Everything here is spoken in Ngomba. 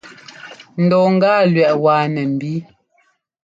Ŋdɔ gâa lúɛʼ wáa nɛ nbíi.